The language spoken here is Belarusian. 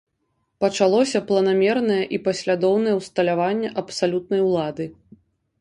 Пачалося планамернае і паслядоўнае ўсталяванне абсалютнай улады.